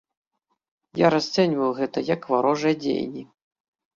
Я расцэньваю гэта як варожыя дзеянні.